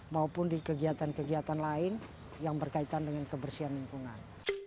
maupun di kegiatan kegiatan lain yang berkaitan dengan kebersihan lingkungan